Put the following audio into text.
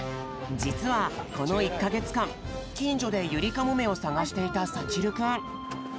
じつはこの１かげつかんきんじょでユリカモメをさがしていたさちるくん。